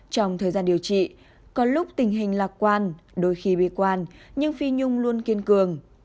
trong thời gian điều trị còn lúc tình hình lạc quan đôi khi bi quan nhưng phi nhung luôn kiên cường